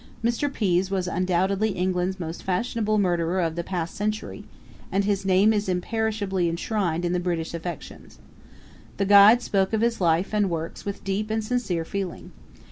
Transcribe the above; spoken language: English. Mr. Pease was undoubtedly England's most fashionable murderer of the past century and his name is imperishably enshrined in the British affections. The guide spoke of his life and works with deep and sincere feeling.